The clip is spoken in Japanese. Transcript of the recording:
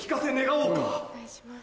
お願いします。